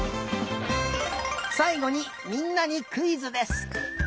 さいごにみんなにクイズです。